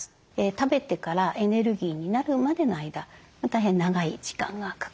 食べてからエネルギーになるまでの間大変長い時間がかかる。